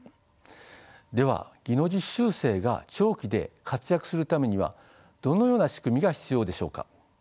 では技能実習生が長期で活躍するためにはどのような仕組みが必要でしょうか。